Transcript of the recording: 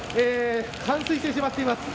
冠水してしまっています。